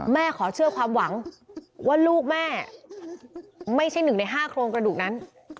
ขอเชื่อความหวังว่าลูกแม่ไม่ใช่๑ใน๕โครงกระดูกนั้น